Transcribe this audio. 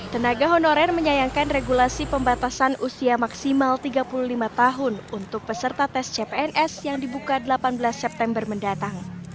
tenaga honorer menyayangkan regulasi pembatasan usia maksimal tiga puluh lima tahun untuk peserta tes cpns yang dibuka delapan belas september mendatang